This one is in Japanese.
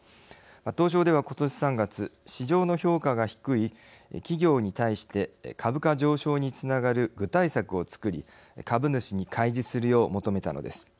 東証では、今年３月市場の評価が低い企業に対して株価上昇につながる具体策を作り株主に開示するよう求めたのです。